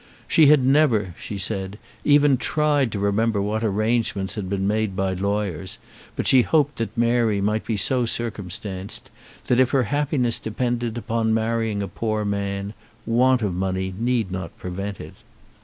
"She had never," she said, "even tried to remember what arrangements had been made by lawyers, but she hoped that Mary might be so circumstanced, that if her happiness depended on marrying a poor man, want of money need not prevent it."